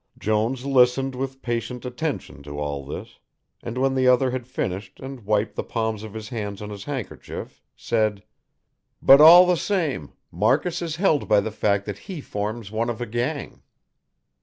Jones listened with patient attention to all this, and when the other had finished and wiped the palms of his hands on his handkerchief, said: "But all the same, Marcus is held by the fact that he forms one of a gang."